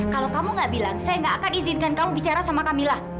kalau kamu gak bilang saya nggak akan izinkan kamu bicara sama kamilah